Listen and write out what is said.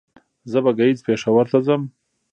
زه به ګهيځ پېښور ته ځم